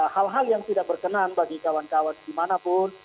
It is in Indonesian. hal hal yang tidak berkenan bagi kawan kawan dimanapun